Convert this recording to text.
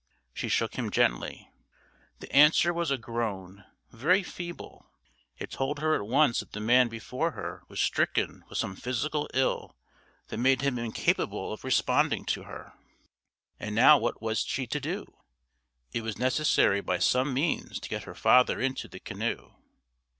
She shook him gently. The answer was a groan, very feeble. It told her at once that the man before her was stricken with some physical ill that made him incapable of responding to her. And now what was she to do? It was necessary by some means to get her father into the canoe.